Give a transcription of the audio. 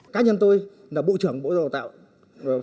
cá nhân tôi là bộ trưởng bộ giáo dục và đào tạo